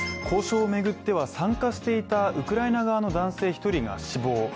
交渉を巡っては参加していたウクライナ側の男性１人が死亡。